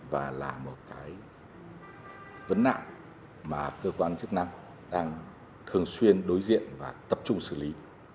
và là một cái vấn nạn mà cơ quan chức năng đang thường xuyên đối diện và tập trung xử lý